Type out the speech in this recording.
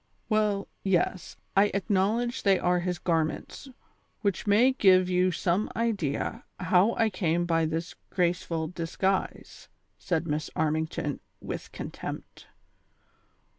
" Well, yes ; I acknowledge they are his garments, which may give you some idea how I came by this graceful (?) disguise," said Miss Armington, with contempt.